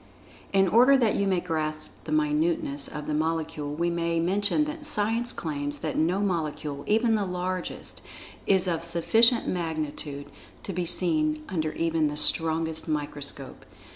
In order that you may grasp the minuteness of the Molecule, we may mention that Science[Pg 68] claims that no molecule, even the largest, is of sufficient magnitude to be seen under even the strongest microscope.